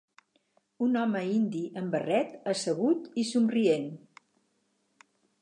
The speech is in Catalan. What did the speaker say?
Un home indi amb barret assegut i somrient.